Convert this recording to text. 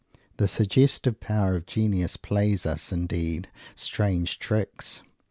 The suggestive power of genius plays us, indeed, strange tricks.